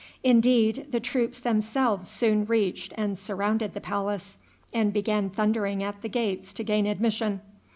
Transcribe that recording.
Indeed, the troops themselves soon reached and surrounded the palace, and began thundering at the gates to gain admission.